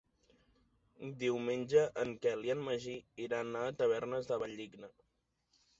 Diumenge en Quel i en Magí iran a Tavernes de la Valldigna.